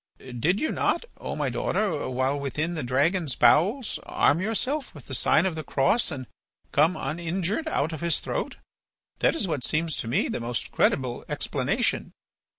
Did you not, O my daughter, while within the dragon's bowels arm yourself with the sign of the cross and come uninjured out of his throat? That is what seems to me the most credible explanation."